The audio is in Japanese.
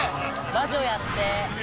魔女やって。